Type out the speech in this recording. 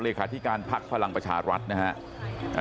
เลขาธิการภักดิ์ภารังประชารัฐนะฮะ